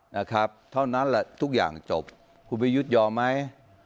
นะครับเท่านั้นแหละทุกอย่างจบคุณประยุทธ์ยอมไหม